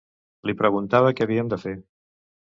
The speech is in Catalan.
Li preguntava que havíem de fer